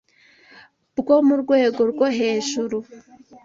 bwo mu rwego rwo hejuru